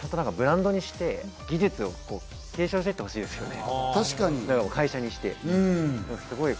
ブランドにして技術を継承していってほしいですね。